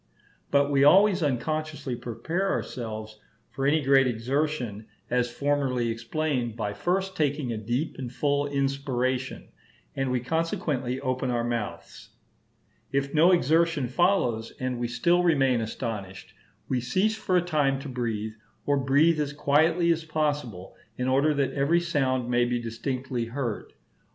But we always unconsciously prepare ourselves for any great exertion, as formerly explained, by first taking a deep and full inspiration, and we consequently open our mouths. If no exertion follows, and we still remain astonished, we cease for a time to breathe, or breathe as quietly as possible, in order that every sound may be distinctly heard.